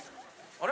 あれ？